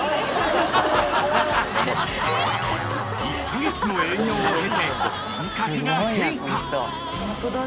［１カ月の営業を経て人格が変化］